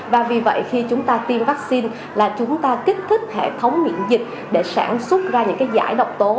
và vì vậy khi chúng ta tiêm vaccine là chúng ta kích thích hệ thống miễn dịch để sản xuất ra những cái giải độc tố